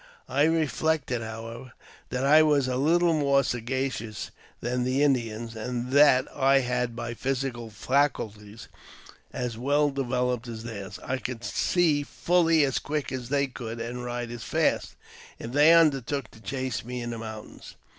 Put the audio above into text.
I reflected, however, that I was a little more sagacious than the Indians, and that I had my physical faculties as well developed as theirs. I could see fully as quick as they could, and ride as fast, if they undertook to chase me in the mountains.